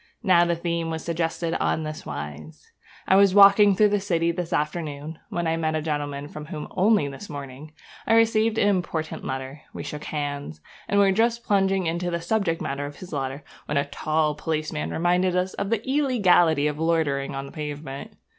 Now the theme was suggested on this wise. I was walking through the city this afternoon, when I met a gentleman from whom, only this morning, I received an important letter. We shook hands, and were just plunging into the subject matter of his letter when a tall policeman reminded us of the illegality of loitering on the pavement.